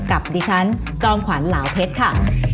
กับดิฉันจอมขวัญเหลาเพชรค่ะ